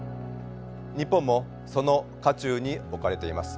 日本もその渦中に置かれています。